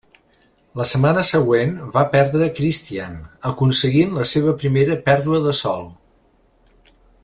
La setmana següent va perdre a Christian, aconseguint la seva primera pèrdua de sol.